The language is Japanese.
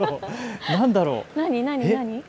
何だろう？